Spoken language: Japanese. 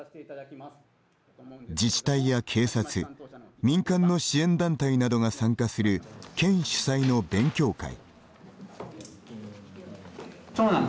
自治体や警察民間の支援団体などが参加する県主催の勉強会。